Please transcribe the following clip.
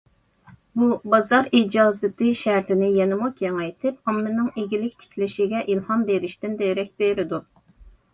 بۇ بازار ئىجازىتى شەرتىنى يەنىمۇ كېڭەيتىپ، ئاممىنىڭ ئىگىلىك تىكلىشىگە ئىلھام بېرىشتىن دېرەك بېرىدۇ.